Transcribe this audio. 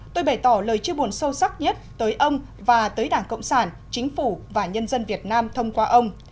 tôi bày tỏ lời chia buồn sâu sắc nhất tới ông và tới đảng cộng sản chính phủ và nhân dân việt nam thông qua ông